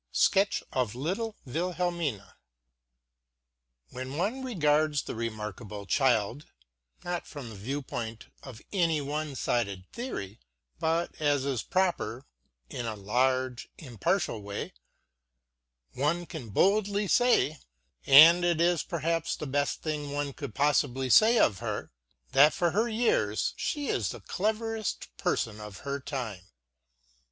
SKETCH OF LITTLE WILHELMINA When one regards the remarkable child, not from the viewpoint of any one sided theory, but, as is proper, in a large, impartial way, one can boldly say and it is perhaps the best thing one could possibly say of her that for her years she is the cleverest person of her time.